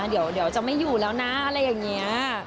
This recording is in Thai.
เดี๋ยวจะไม่อยู่แล้วนะอะไรอย่างนี้